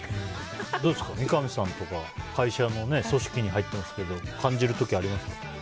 どうですか、三上さんとか会社の組織に入ってますけど感じる時ありますか？